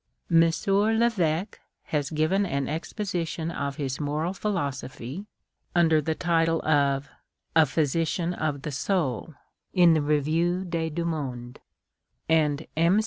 M. Leveque has given an exposition of his moral philosophy, under the title of " A Physician of the Soul," in tlie Revue des Deux Mondes ; and M.